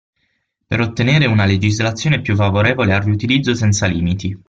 Per ottenere una legislazione più favorevole al riutilizzo senza limiti.